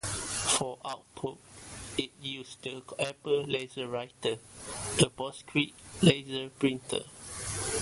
For output, it used the Apple LaserWriter, a PostScript laser printer.